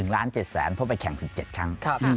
๑๗๐๐๐๐๐บาทเพราะไปแข่ง๑๗ครั้ง